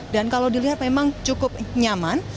dan kalau dilihat memang cukup nyaman